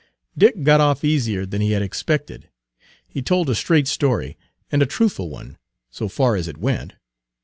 Dick got off easier than he had expected. He told a straight story, and a truthful one, so far as it went.